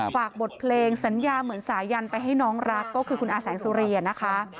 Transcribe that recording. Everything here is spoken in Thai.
ฝากบทเพลงสัญญาเหมือนสายันไปให้น้องรักก็คือคุณอาแสงสุรีนะคะ